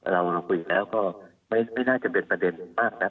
เราคุยแล้วก็ไม่น่าจะเป็นประเด็นมากนัก